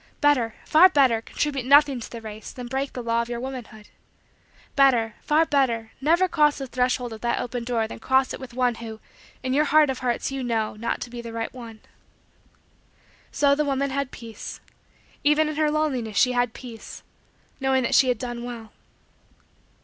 Better, far better, contribute nothing to the race than break the law of your womanhood. Better, far better, never cross the threshold of that open door than cross it with one who, in your heart of hearts you know, to be not the right one." So the woman had peace. Even in her loneliness, she had peace knowing that she had done well.